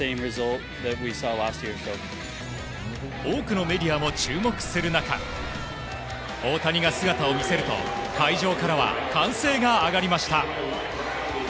多くのメディアも注目する中大谷が姿を見せると、会場からは歓声が上がりました。